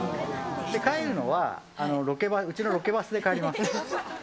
帰るのはうちのロケバスで帰ります。